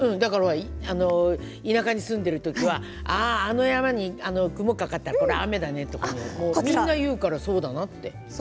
田舎に住んでいる時はあの山に雲がかかったらこれは雨だねってみんな言うから、そうだなって。